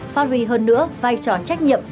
phát huy hơn nữa vai trò trách nhiệm